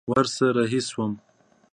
ورسره رهي سوم.